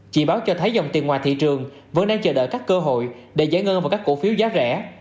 chị báo cho thấy dòng tiền ngoài thị trường vẫn đang chờ đợi các cơ hội để giải ngân vào các cổ phiếu giá rẻ